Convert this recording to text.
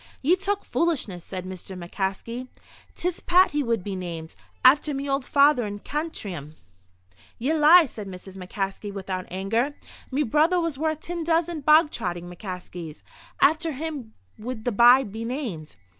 "Ye talk foolishness," said Mr. McCaskey. "'Tis Pat he would be named, after me old father in Cantrim." "Ye lie!" said Mrs. McCaskey, without anger. "Me brother was worth tin dozen bog trotting McCaskeys. After him would the bye be named."